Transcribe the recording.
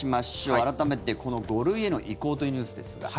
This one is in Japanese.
改めて、この５類への移行というニュースですが。